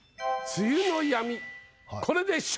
「梅雨の闇」